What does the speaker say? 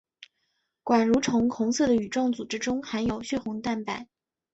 管蠕虫红色的羽状组织中含有血红蛋白。